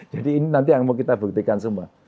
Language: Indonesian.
jadi ini nanti yang mau kita buktikan semua